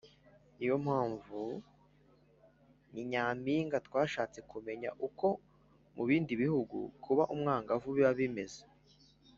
ni yo mpamvu “ni nyampinga” twashatse kumenya uko mu bindi bihugu kuba umwangavu biba bimeze.